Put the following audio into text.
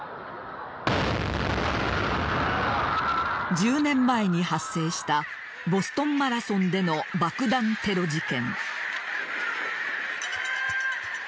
１０年前に発生したボストンマラソンでの爆弾テロ事件。